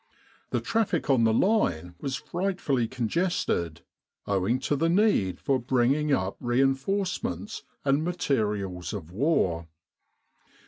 The traffic on the line was frightfully congested owing to the need for bringing up rein forcements and materials of war.